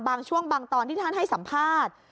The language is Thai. บางช่วงบางตอนที่ท่านให้สัมภาษณ์